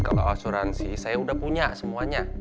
kalau asuransi saya sudah punya semuanya